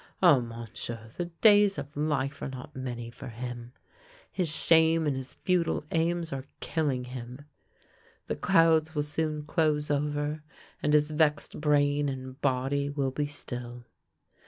Ah, Monsieur, the days of life are not many for him, his shame and his futile aims are killing him. The clouds will soon close over, and his vexed brain and body will be still.